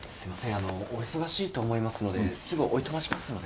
あのお忙しいと思いますのですぐおいとましますので。